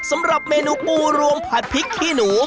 สำหรับเมนูปูรวมผัดพริกขี้หนู